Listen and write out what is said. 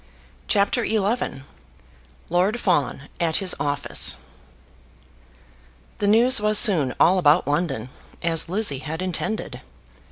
CHAPTER XI Lord Fawn at His Office The news was soon all about London, as Lizzie had intended.